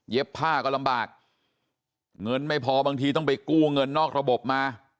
ผ้าก็ลำบากเงินไม่พอบางทีต้องไปกู้เงินนอกระบบมา